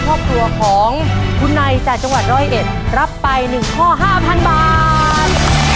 ครอบครัวของคุณนายจากจังหวัดร้อยเอ็ดรับไปหนึ่งข้อห้าพันบาท